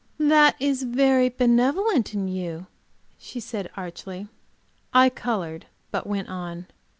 "That is very benevolent in you," she said, archly. I colored, but went on.